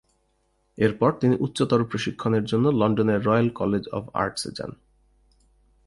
এর পর তিনি উচ্চতর প্রশিক্ষণের জন্য লন্ডনের রয়েল কলেজ অব আর্টস্ এ যান।